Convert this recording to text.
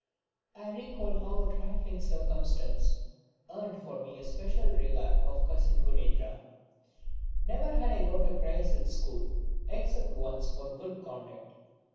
I recall how a trifling circumstance earned for me the special regard of cousin Gunendra. Never had I got a prize at school except once for good conduct.